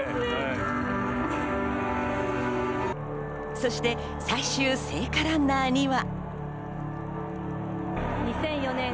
そして、最終聖火ランナーには。